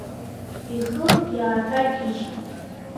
Ихы иааҭагьыжьит.